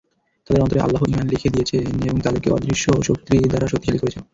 তাঁদের অন্তরে আল্লাহ ঈমান লিখে দিয়েছেন এবং তাদেরকে তাঁর অদৃশ্য শক্তি দ্বারা শক্তিশালী করেছেন।